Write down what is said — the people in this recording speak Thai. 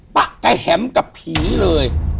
ปะกระแหมกับผีเลย